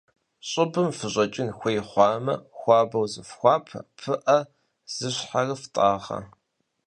ЩӀыбым фыщӀэкӀын хуей хъуамэ, хуабэу зыфхуапэ, пыӏэ зыщхьэрыфтӏагъэ.